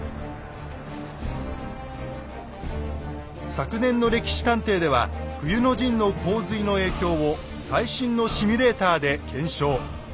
昨年の「歴史探偵」では冬の陣の洪水の影響を最新のシミュレーターで検証。